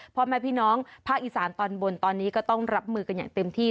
พ่อแม่พี่น้องภาคอีสานตอนบนตอนนี้ก็ต้องรับมือกันอย่างเต็มที่